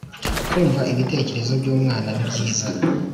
Kumva ibitekerezo by’umwana ni byiza